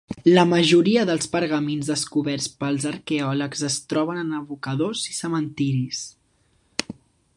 La majoria dels pergamins descoberts pels arqueòlegs es troben en abocadors i cementiris.